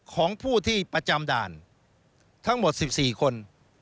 ของผู้ที่ประจำด่านทั้งหมด๑๔คน